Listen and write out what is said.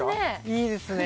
いいですね